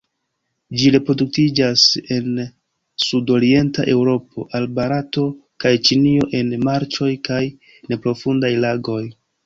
Ĝi reproduktiĝas el sudorienta Eŭropo al Barato kaj Ĉinio en marĉoj kaj neprofundaj lagoj.